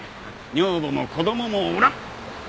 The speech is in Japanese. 女房も子供もおらん。